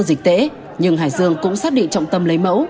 dịch tễ nhưng hải dương cũng xác định trọng tâm lấy mẫu